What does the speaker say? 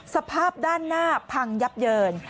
สภาพด้านหน้าพังยับเยิน